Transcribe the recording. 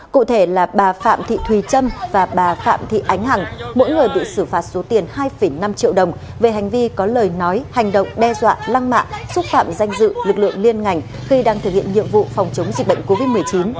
cụ thể là bà phạm thị thùy trâm và bà phạm thị ánh hằng mỗi người bị xử phạt số tiền hai năm triệu đồng về hành vi có lời nói hành động đe dọa lăng mạ xúc phạm danh dự lực lượng liên ngành khi đang thực hiện nhiệm vụ phòng chống dịch bệnh covid một mươi chín